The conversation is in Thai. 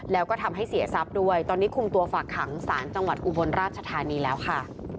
แล้วก็ทำให้เสียทรัพย์ด้วยตอนนี้คุมตัวฝากขังสารจังหวัดอุบลราชธานีแล้วค่ะ